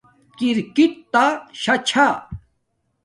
کِرکِٹ تݳ شݳ چھݳ.